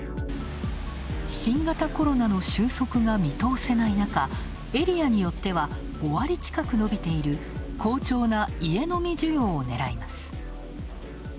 新型コロナの収束が見通せない中エリアによっては５割近く伸びている好調な家飲み需要を狙います。